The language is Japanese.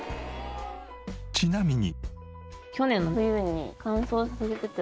ちなみに。